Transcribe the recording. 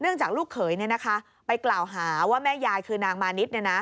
จากลูกเขยไปกล่าวหาว่าแม่ยายคือนางมานิด